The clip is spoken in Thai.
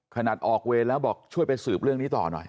ขนาดออกเวรแล้วบอกช่วยไปสืบเรื่องนี้ต่อหน่อย